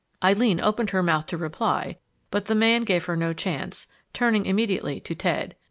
Eileen opened her mouth to reply, but the man gave her no chance, turning immediately to Ted.